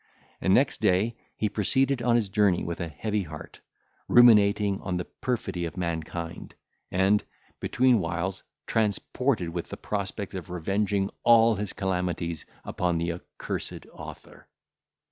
And next day he proceeded on his journey with a heavy heart, ruminating on the perfidy of mankind, and, between whiles, transported with the prospect of revenging all his calamities upon the accursed author.